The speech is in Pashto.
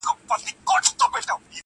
o خبره له خبري پيدا کېږي٫